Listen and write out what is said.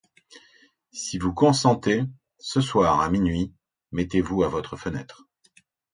Si vous consentez, ce soir, à minuit, mettez-vous à votre fenêtre.